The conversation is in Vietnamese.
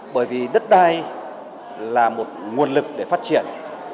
bởi vì đất đai là một nguồn lực để phát triển